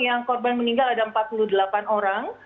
yang korban meninggal ada empat puluh delapan orang